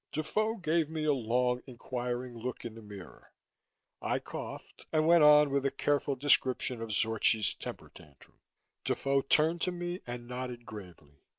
Defoe gave me a long inquiring look in the mirror; I coughed and went on with a careful description of Zorchi's temper tantrum. Defoe turned to me and nodded gravely.